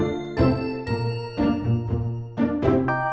suara suara punya mem lasai